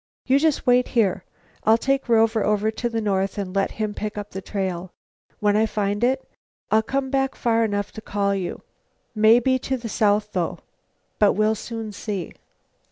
You just wait here. I'll take Rover to the north and let him pick up the trail. When I find it, I'll come back far enough to call to you. May be to the south, though, but we'll soon see."